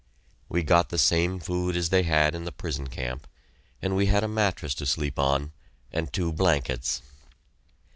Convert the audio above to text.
We got the same food as they had in the prison camp, and we had a mattress to sleep on, and two blankets.